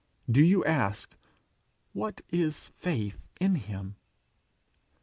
Do you ask, 'What is faith in him?'